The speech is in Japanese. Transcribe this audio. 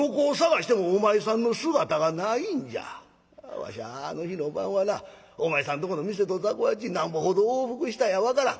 わしゃあの日の晩はなお前さんとこの店と雑穀八なんぼほど往復したや分からん。